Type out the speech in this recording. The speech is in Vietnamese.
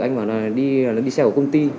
anh ấy bảo là đi xe của công ty